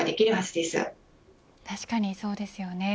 確かにそうですよね。